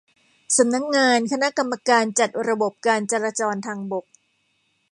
สำนักงานคณะกรรมการจัดระบบการจราจรทางบก